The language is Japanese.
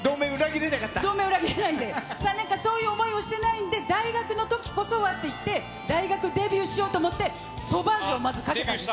同盟裏切れないんで、３年間そういう思いをしてないんで、大学のときこそはっていって、大学デビューしようと思って、ソバージュをまずかけたんです。